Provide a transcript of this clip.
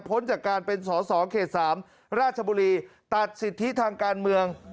พ้นจากการเป็นสอสอเขต๓ราชบุรีตัดสิทธิทางการเมือง